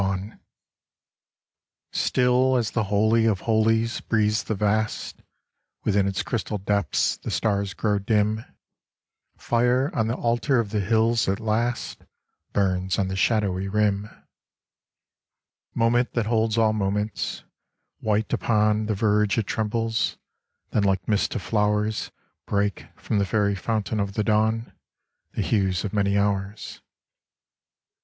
26 STILL as the holy of holies breathes the vast, Within its crystal depths the stars grow dim ; Fire on the altar of the hills at last Burns on the shadowy rim , Moment that holds all moments ; white upon The verge it trembles ; then like mists of flowers Break from the fairy fountain of the dawn The hues of many hours.